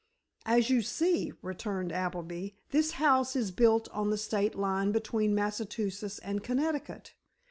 "As you see," returned Appleby, "this house is built on the state line between Massachusetts and Connecticut.